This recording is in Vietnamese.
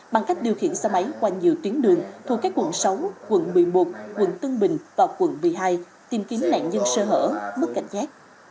bằng cách điều khiển xe máy qua nhiều tuyến đường thuộc các quận sáu quận một mươi một quận tân bình và quận một mươi hai tìm kiếm nạn nhân sơ hở mất cảnh giác